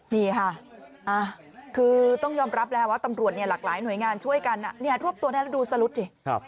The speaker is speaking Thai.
นี่ค่ะคือต้องยอมรับแล้วว่าตำรวจหลากหลายหน่วยงานช่วยกันรวบตัวได้แล้วดูสลุดดิ